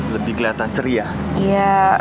lebih keliatan ceri ya